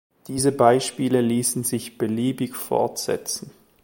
Diese Beispiele ließen sich beliebig fortsetzen.